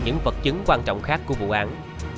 những vật chứng quan trọng khác của vụ án